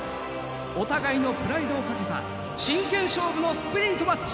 お互いのプライドを懸けた真剣勝負のスプリントマッチ